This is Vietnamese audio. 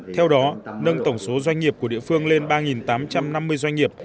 theo đó nâng tổng số doanh nghiệp của địa phương lên ba tám trăm năm mươi doanh nghiệp